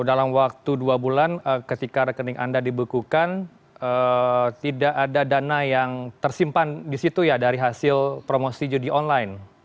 dalam waktu dua bulan ketika rekening anda dibekukan tidak ada dana yang tersimpan di situ ya dari hasil promosi judi online